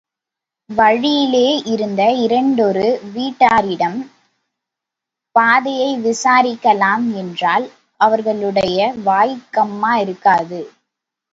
வழியிலே இருந்த இரண்டொரு வீட்டாரிடம் பாதையை விசாரிக்கலாம் என்றால் அவர்களுடைய வாய் கம்மா இருக்காது.